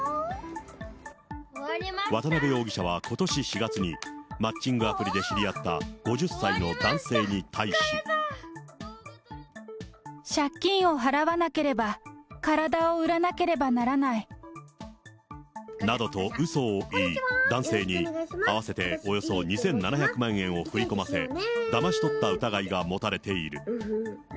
渡辺容疑者は、ことし４月に、マッチングアプリで知り合った５０歳の男性に対し。借金を払わなければ、体を売らなければならない。などとうそを言い、男性に合わせておよそ２７００万円を振り込ませ、だまし取った疑いが持たれている。